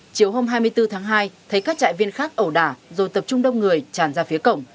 chiều hôm hai mươi bốn tháng hai thấy các trại viên khác ẩu đả rồi tập trung đông người tràn ra phía cổng